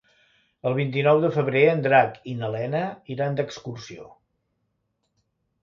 El vint-i-nou de febrer en Drac i na Lena iran d'excursió.